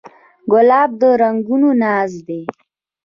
ګلاب د رنګونو ناز دی.